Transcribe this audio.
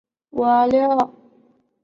总统选举采用两轮选举制。